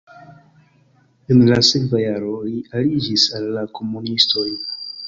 En la sekva jaro li aliĝis al la komunistoj.